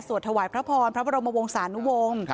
ถวายพระพรพระบรมวงศานุวงศ์